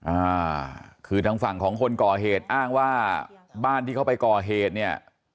อ่าคือทางฝั่งของคนก่อเหตุอ้างว่าบ้านที่เขาไปก่อเหตุเนี่ย